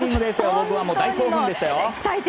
僕は大興奮でしたよ。